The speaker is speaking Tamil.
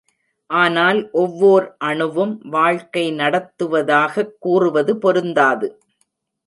ஆனால், ஒவ்வோர் அணுவும் வாழ்க்கை நடத்துவதாகக் கூறுவது பொருந்தாது.